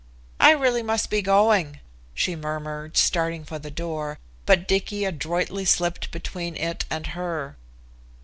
"I really must be going," she murmured, starting for the door, but Dicky adroitly slipped between it and her.